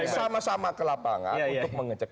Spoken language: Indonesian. sama sama ke lapangan untuk mengecek